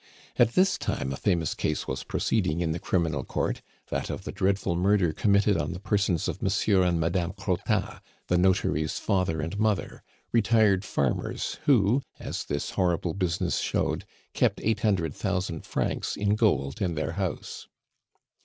At this time a famous case was proceeding in the Criminal Court, that of the dreadful murder committed on the persons of Monsieur and Madame Crottat, the notary's father and mother, retired farmers who, as this horrible business showed, kept eight hundred thousand francs in gold in their house.